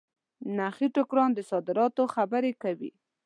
نخې ټوکرانو د صادراتو خبري کوي.